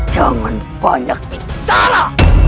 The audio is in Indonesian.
jangan banyak bicara